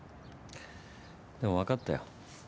でもわかったよ。